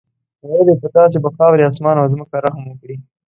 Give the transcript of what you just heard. ویل یې په تاسې به خاورې، اسمان او ځمکه رحم وکړي.